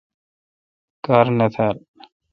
کار نہ تھال۔